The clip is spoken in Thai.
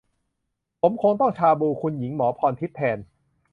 ผมคงต้องชาบู คุณหญิงหมอพรทิพย์ แทน